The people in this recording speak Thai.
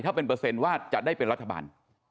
ถ้าเป็นเปอร์เซ็นต์ว่าจะได้เป็นรัฐบาล